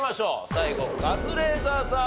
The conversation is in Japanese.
最後カズレーザーさん